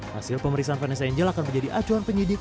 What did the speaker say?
hasil pemeriksaan vanessa angel akan menjadi acuan penyidik